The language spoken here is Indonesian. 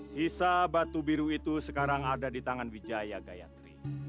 sisa batu biru itu sekarang ada di tangan wijaya gayatri